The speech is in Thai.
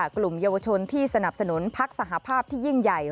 กลุ่มเยาวชนที่สนับสนุนพักสหภาพที่ยิ่งใหญ่